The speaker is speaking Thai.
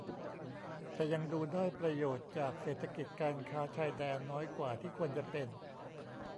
แต่ยังดูได้ประโยชน์จากเศรษฐกิจการค้าชายแดนน้อยกว่าที่ควรจะเป็น